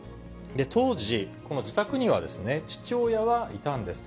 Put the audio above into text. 当時、この自宅には父親はいたんです。